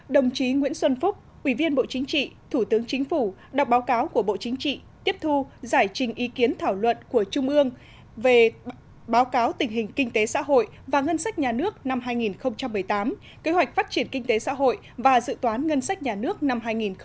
đồng chí nguyễn xuân phúc ủy viên bộ chính trị thủ tướng chính phủ đọc báo cáo của bộ chính trị tiếp thu giải trình ý kiến thảo luận của trung ương về báo cáo tình hình kinh tế xã hội và ngân sách nhà nước năm hai nghìn một mươi tám kế hoạch phát triển kinh tế xã hội và dự toán ngân sách nhà nước năm hai nghìn một mươi chín